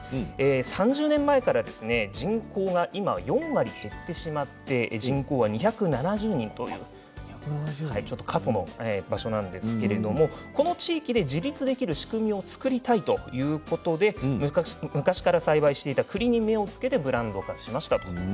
３０年前から人口が今４割減ってしまって人口が２７０人というちょっと過疎の場所なんですけれどもこの地域で自立できる仕組みを作りたいということで昔から栽培していたくりに目を付けてブランド化しました。